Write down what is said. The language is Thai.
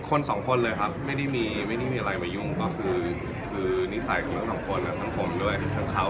คนสองคนเลยครับไม่ได้มีไม่ได้มีอะไรมายุ่งก็คือนิสัยของทั้งสองคนทั้งผมด้วยทั้งเขา